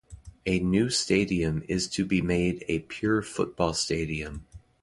A new stadium is to be made a pure football stadium.